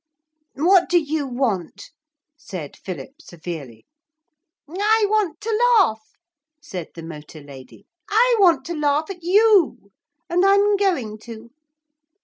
'What do you want?' said Philip severely. 'I want to laugh,' said the motor lady. 'I want to laugh at you. And I'm going to.'